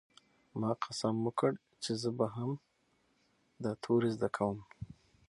ما قسم وکړ چې زه به هم دا توري زده کوم.